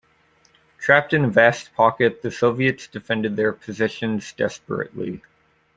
Trapped in a vast pocket, the Soviets defended their positions desperately.